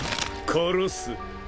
殺す。